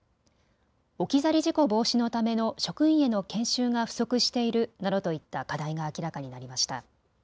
置き去り事故防止のための職員への研修が不足しているなどといった課題が明らかになりました。